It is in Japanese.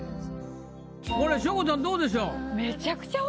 これしょこたんどうでしょう？